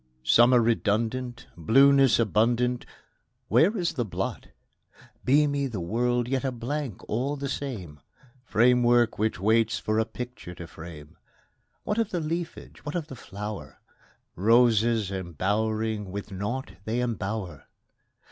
Summer redundant, Blueness abundant, Where is the blot? Beamy the world, yet a blank all the same, Framework which waits for a picture to frame: What of the leafage, what of the flower? Roses embowering with naught they embower!